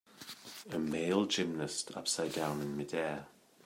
A male gymnast upside down in midair.